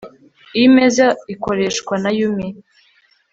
Iyi meza ikoreshwa na Yumi